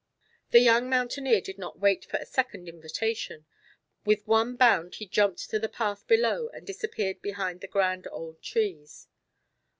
The young mountaineer did not wait for a second invitation; with one bound he jumped to the path below and disappeared behind the grand old trees.